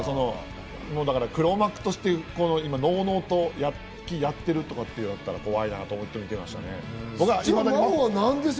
黒幕として、のうのうとやってるとかだったら怖いなっていう気がします。